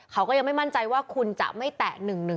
เขาก็ยังไม่มั่นใจว่าคุณจะไม่แตะ๑๑๒